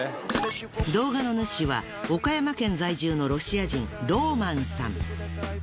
動画の主は岡山県在住のロシア人ローマンさん。